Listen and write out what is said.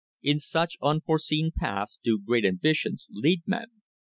In such unforseen paths do great ambi tions lead men!